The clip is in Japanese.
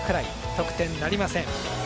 得点なりません。